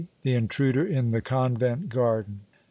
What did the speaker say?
THE INTRUDER IN THE CONVENT GARDEN.